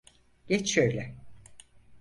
Geç şöyle.